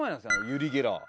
ユリ・ゲラー。